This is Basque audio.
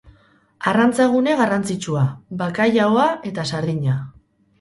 Arrantza-gune garrantzitsua: bakailaoa eta sardina.